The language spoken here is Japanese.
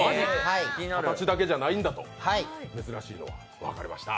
形だけじゃないんだと珍しいのは、分かりました。